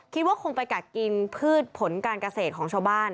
คิดว่าคงไปกัดกินพืชผลการเกษตรของชาวบ้าน